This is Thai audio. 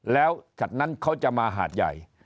แล้วฉัดนั้นเขาจะมาหาดใหญ่